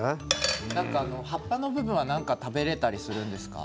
葉っぱの部分は何か食べられたりするんですか？